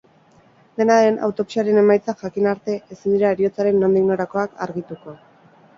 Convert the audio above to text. Dena den, autopsiaren emaitzak jakin arte ezin dira heriotzaren nondik norakoak argituko.